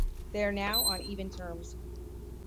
They are now on even terms.